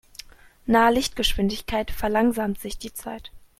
Nahe Lichtgeschwindigkeit verlangsamt sich die Zeit.